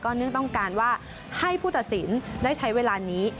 เนื่องต้องการว่าให้ผู้ตัดสินได้ใช้เวลานี้